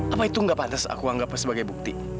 apa itu gak pantas aku anggapnya sebagai bukti